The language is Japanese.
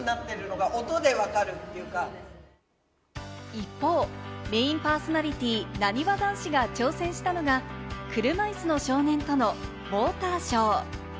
一方、メインパーソナリティー・なにわ男子が挑戦したのが、車いすの少年とのウォーターショー。